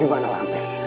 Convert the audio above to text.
di mana lampir